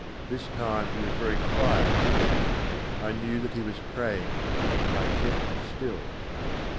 This time he was very quiet in there. I knew that he was praying and I kept still.